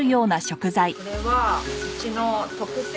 これはうちの特製！